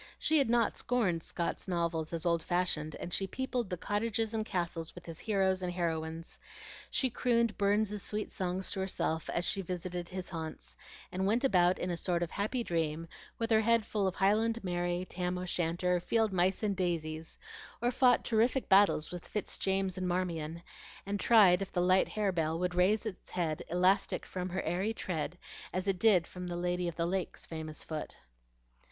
She had not scorned Scott's novels as old fashioned, and she peopled the cottages and castles with his heroes and heroines; she crooned Burns's sweet songs to herself as she visited his haunts, and went about in a happy sort of dream, with her head full of Highland Mary, Tam o' Shanter, field mice and daisies, or fought terrific battles with Fitz James and Marmion, and tried if "the light harebell" would "raise its head, elastic from her airy tread," as it did from the Lady of the Lake's famous foot.